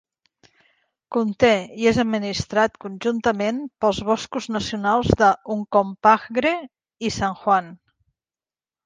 Conté i és administrat conjuntament pels boscos nacionals de Uncompahgre i San Juan.